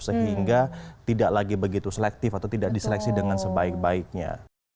sehingga tidak lagi begitu selektif atau tidak diseleksi dengan sebaik baiknya